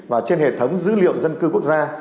và trên hệ thống dữ liệu dân cư quốc gia